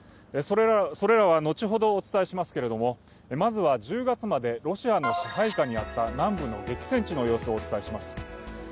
それらは後ほどお伝えしますけれども、まずは１０月までロシアの支配下にあった南部の激戦地の様子をお伝えします。